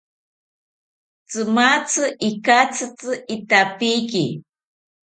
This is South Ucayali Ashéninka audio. Tzimatzi ikatzitzi itapiki